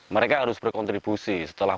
mereka harus berkontribusi setelah